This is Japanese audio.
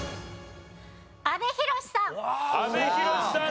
阿部寛さん